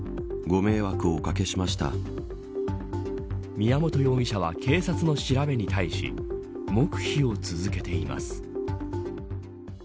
宮本容疑者は警察の調べに対し黙秘を続けています。